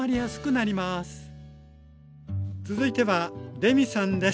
続いてはレミさんです。